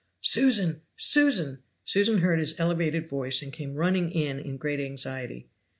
"Susan Susan!" Susan heard his elevated voice, and came running in in great anxiety.